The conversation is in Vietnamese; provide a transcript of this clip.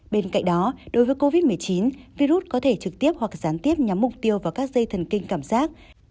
bên cạnh đó đối với covid một mươi chín virus có thể trực tiếp hoặc gián tiếp nhắm mục tiêu vào các dây thần kinh cảm giác